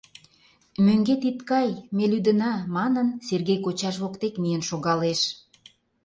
Мӧҥгет ит кай, ме лӱдына, — манын, Сергей кочаж воктек миен шогалеш.